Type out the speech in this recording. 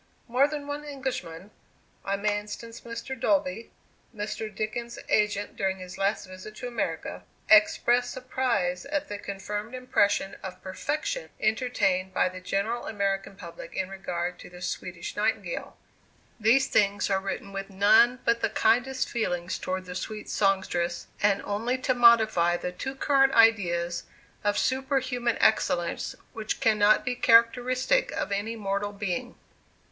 More than one Englishman I may instance Mr. Dolby, Mr. Dickens's agent during his last visit to America expressed surprise at the confirmed impression of "perfection" entertained by the general American public in regard to the Swedish Nightingale. These things are written with none but the kindest feelings towards the sweet songstress, and only to modify the too current ideas of superhuman excellence which cannot be characteristic of any mortal being.